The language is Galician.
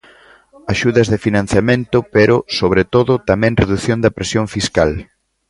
Axudas de financiamento pero, sobre todo, tamén redución da presión fiscal.